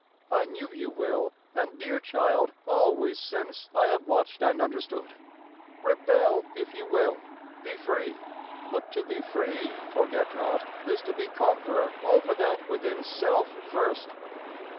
I knew you, Will, and, dear child, always since I have watched and understood. Rebel if you will; be free; but to be free, forget not, is to be conqueror over that within self first."